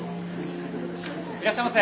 いらっしゃいませ！